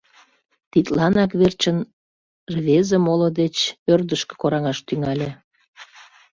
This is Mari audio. Тидланак верчын рвезе моло деч ӧрдыжкӧ кораҥаш тӱҥале.